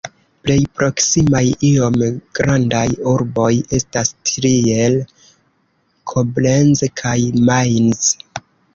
Plej proksimaj iom grandaj urboj estas Trier, Koblenz kaj Mainz.